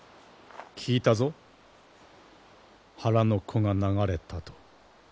聞いたぞ腹の子が流れたと。